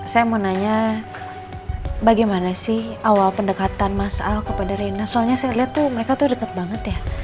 saya mau nanya bagaimana sih awal pendekatan mas al kepada rina soalnya saya lihat tuh mereka tuh deket banget ya